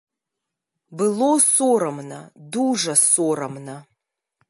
Было сорамна, дужа сорамна.